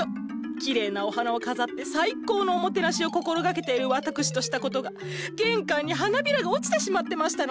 きれいなお花を飾って最高のおもてなしを心がけている私としたことが玄関に花びらが落ちてしまってましたの。